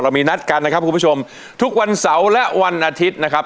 มีนัดกันนะครับคุณผู้ชมทุกวันเสาร์และวันอาทิตย์นะครับ